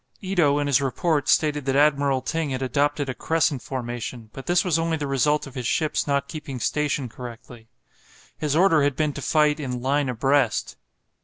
Ito in his report stated that Admiral Ting had adopted a crescent formation, but this was only the result of his ships not keeping station correctly. His order had been to fight in "line abreast."